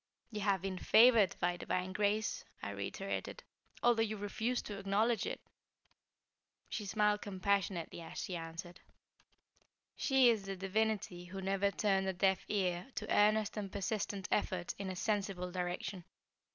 "You have been favored by divine grace," I reiterated, "although you refuse to acknowledge it." She smiled compassionately as she answered: "She is the divinity who never turned a deaf ear to earnest and persistent effort in a sensible direction.